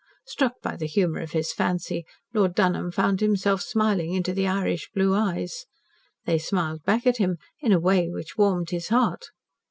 Struck by the humour of his fancy, Lord Dunholm found himself smiling into the Irish blue eyes. They smiled back at him in a way which warmed his heart.